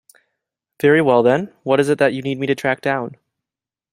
Very well then, what is it that you need me to track down?